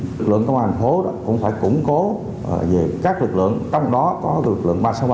lực lượng công an thành phố cũng phải củng cố về các lực lượng trong đó có lực lượng ba trăm sáu mươi ba